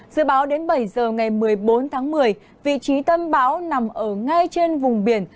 giữa báo đến bảy h ngày một mươi bốn tháng một mươi vị trí tâm báo nằm ở ngay trên vùng biển